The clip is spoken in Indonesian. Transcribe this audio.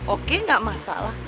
oke gak masalah